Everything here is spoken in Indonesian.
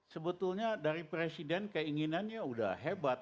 sebetulnya dari presiden keinginannya sudah hebat